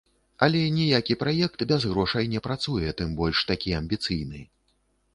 Але ніякі праект без грошай не працуе, тым больш такі амбіцыйны.